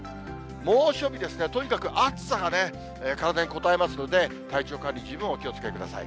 猛暑日ですが、とにかく暑さがね、体にこたえますので、体調管理、十分お気をつけください。